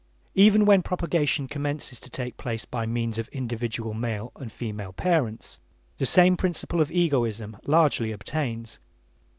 Even when propagation commences to take place by means of individual male and female parents, the same principle of egoism largely obtains.